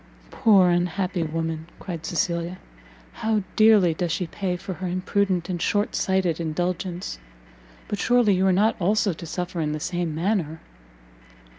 "Poor unhappy woman!" cried Cecilia, "how dearly does she pay for her imprudent and short sighted indulgence! but surely you are not also to suffer in the same manner?"